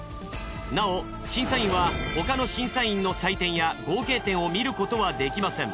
なお審査員は他の審査員の採点や合計点を見ることはできません。